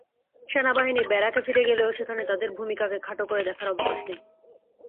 সেনাবাহিনী ব্যারাকে ফিরে গেলেও সেখানে তাদের ভূমিকাকে খাটো করে দেখার অবকাশ নেই।